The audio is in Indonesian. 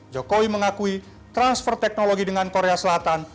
jokowi mengakui transfer teknologi dengan korea selatan